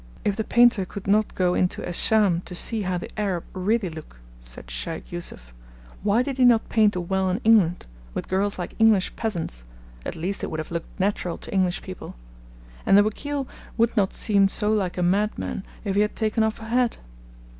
'If the painter could not go into "Es Sham" to see how the Arab really look,' said Sheykh Yoosuf, 'why did he not paint a well in England, with girls like English peasants at least it would have looked natural to English people? and the wekeel would not seem so like a madman if he had taken off a hat!'